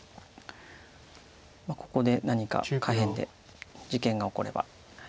ここで何か下辺で事件が起これば。